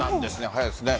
早いですね。